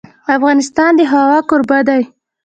افغانستان د هوا کوربه دی.